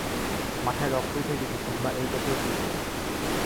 মাথায় রক্ত উঠে গেছে কিংবা এই জাতীয় কিছু।